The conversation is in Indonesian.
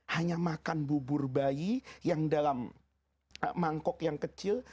hanya makan bubur bayi yang dalam mangkok yang kecil